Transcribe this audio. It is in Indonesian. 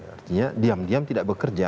artinya diam diam tidak bekerja